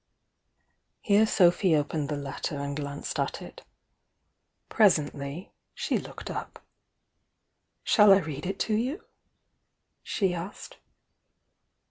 Here Sophy opened the letter and glanced at it. Presently she looked up. "Shall I read it to you?" she asked.